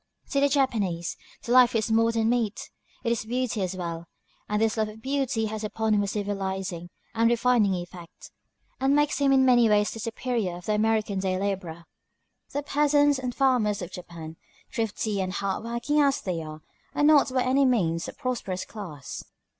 To the Japanese, the "life is more than meat," it is beauty as well; and this love of beauty has upon him a civilizing and refining effect, and makes him in many ways the superior of the American day laborer.[*239] The peasants and farmers of Japan, thrifty and hard working as they are, are not by any means a prosperous class.